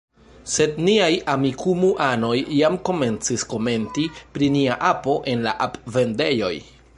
Sed niaj Amikumu-anoj jam komencis komenti pri nia apo en la ap-vendejoj.